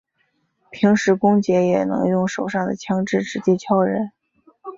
平时公爵也能用手上的枪枝直接敲人。